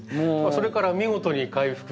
それから見事に回復して。